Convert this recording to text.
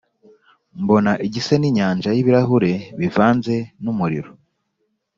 Mbona igisa n’inyanja y’ibirahuri bivanze n’umuriro,